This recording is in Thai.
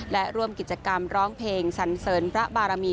และร่วมกิจกรรมร้องเพลงสันเสริญพระบารมี